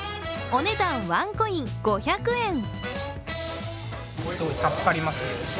お値段、ワンコイン５００円。